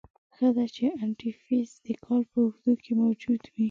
ښه ده چې انتي فریز دکال په اوږدو کې موجود وي.